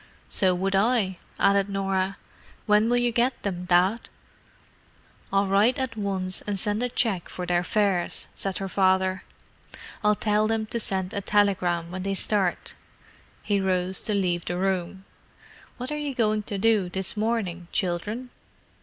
"So would I," added Norah. "When will you get them, Dad?" "I'll write at once and send a cheque for their fares," said her father. "I'll tell them to send me a telegram when they start." He rose to leave the room. "What are you going to do this morning, children?"